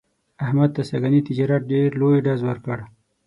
احمد ته سږني تجارت ډېر لوی ډز ور کړ.